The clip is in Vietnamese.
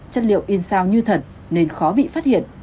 chất liệu in sao như thật nên khó bị phát hiện